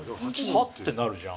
ってなるじゃん。